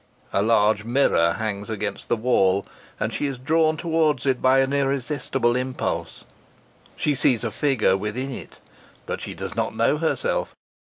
A large mirror hangs against the wall, and she is drawn towards it by an irresistible impulse. She sees a figure within it but she does not know herself.